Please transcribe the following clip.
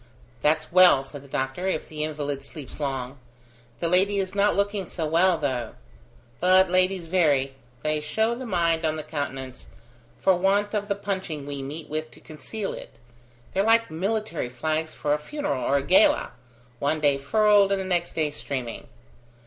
"That's well," said the doctor, "if the invalid sleeps long. The lady is not looking so well, though. But ladies vary; they show the mind on the countenance, for want of the punching we meet with to conceal it; they're like military flags for a funeral or a gala; one day furled, and next day streaming.